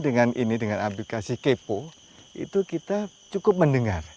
dengan ini dengan aplikasi kepo itu kita cukup mendengar